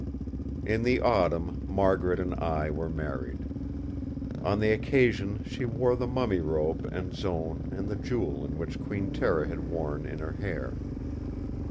In the autumn Margaret and I were married. On the occasion she wore the mummy robe and zone and the jewel which Queen Tera had worn in her hair.